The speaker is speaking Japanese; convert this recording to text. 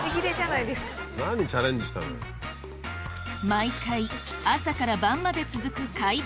毎回朝から晩まで続く街道